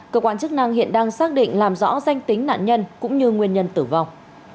cơ quan chức năng hiện đang xác định làm rõ danh tính nạn nhân cũng như nguyên nhân tử vong